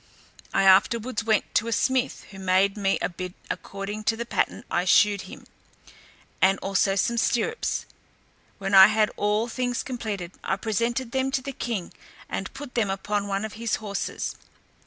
I afterwards went to a smith, who made me a bit, according to the pattern I shewed him, and also some stirrups. When I had all things completed, I presented them to the king, and put them upon one of his horses.